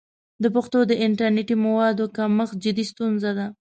د پښتو د انټرنیټي موادو کمښت جدي ستونزه ده.